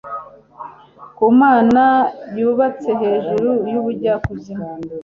Ku Mana yubatse hejuru yubujyakuzimu